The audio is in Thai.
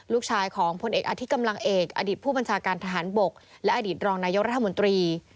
ลูกชายของพลเอกอธิกำลังเอกอดีตผู้บัญชาการทหารบกและอดีตรองนายกรัฐมนตรี